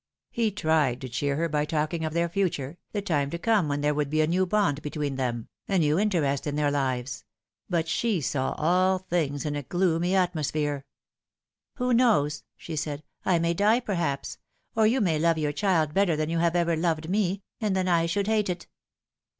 He tried to cheer her by talking of their future, the time to come when there would be a new bond between them, a new interest in their lives ; but she saw all things in a gloomy atmosphere. " Who knows ?" she said. " I may die, perhaps ; or you may love your child better than you have ever loved me, and then I should hate it."